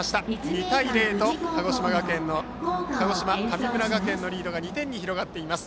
２対０と鹿児島・神村学園のリードが２点に広がっています。